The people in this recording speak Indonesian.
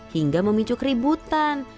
hingga memicu keributan